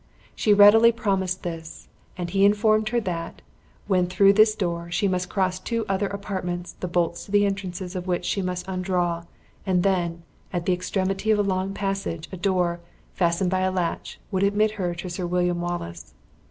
She readily promised this; and he informed her that, when through this door, she must cross two other apartments, the bolts to the entrances of which she must undraw; and then, at the extremity of a long passage, a door, fastened by a latch, would admit her to Sir William Wallace.